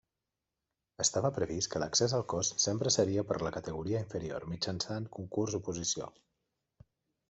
Estava previst que l'accés al Cos sempre seria per la categoria inferior mitjançant concurs-oposició.